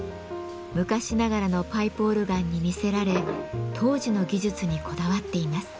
昔ながらのパイプオルガンに魅せられ当時の技術にこだわっています。